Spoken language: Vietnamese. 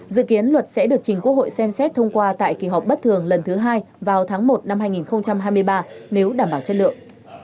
dự kiến luật sẽ được chính quốc hội xem xét thông qua tại kỳ họp bất thường lần thứ hai vào tháng một năm hai nghìn hai mươi ba nếu đảm bảo chất lượng